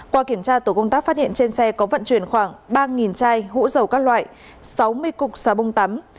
qua kiểm tra tổ công tác phát hiện trên xe có vận chuyển khoảng ba chai hũ dầu các loại sáu mươi cục xà bông tắm